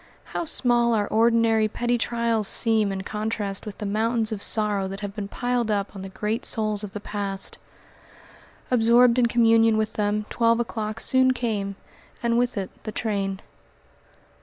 How small our ordinary, petty trials seem in contrast with the mountains of sorrow that have been piled up on the great souls of the past! Absorbed in communion with them twelve o'clock soon came, and with it the train.